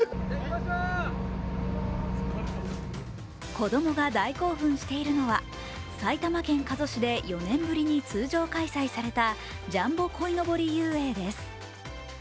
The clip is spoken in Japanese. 子供が大興奮しているのは埼玉県加須市で４年ぶりに通常開催されたジャンボこいのぼり遊泳です。